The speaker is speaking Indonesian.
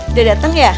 udah dateng ya